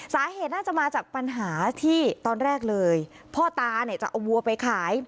สาเหตุน่าจะมาจากปัญหาที่ตอนแรกเลยพ่อตาเนี่ยจะเอาวัวไปขาย